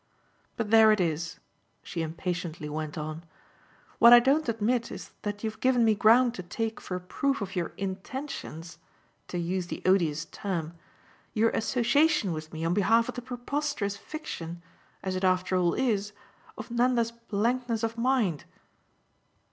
But there it is," she impatiently went on. "What I don't admit is that you've given me ground to take for a proof of your 'intentions' to use the odious term your association with me on behalf of the preposterous fiction, as it after all is, of Nanda's blankness of mind."